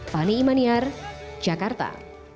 fani imaniar jakarta